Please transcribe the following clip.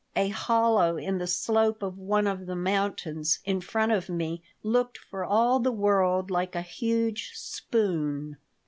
A hollow in the slope of one of the mountains in front of me looked for all the world like a huge spoon.